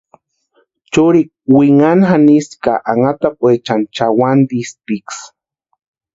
Churikwa winhani janisti ka anhatapuecha chʼawantistiksï.